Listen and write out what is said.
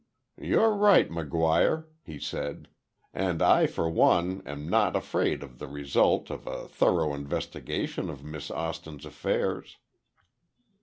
"You're right, McGuire," he said; "and, I for one am not afraid of the result of a thorough investigation of Miss Austin's affairs."